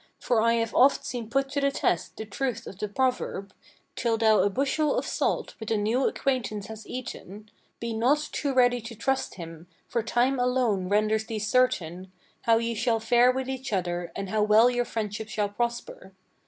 For I have oft seen put to the test the truth of the proverb: Till thou a bushel of salt with a new acquaintance hast eaten, Be not too ready to trust him; for time alone renders thee certain How ye shall fare with each other, and how well your friendship shall prosper.